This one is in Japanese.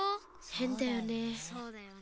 へんだよね。